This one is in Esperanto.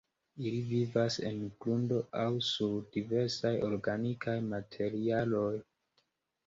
Ili vivas en grundo aŭ sur diversaj organikaj materialoj.